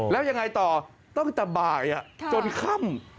แล้วยังไงต่อตั้งแต่บ่ายจนค่ำ